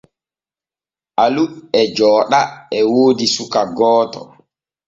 Alu e jooɗa e woodi suka gooto.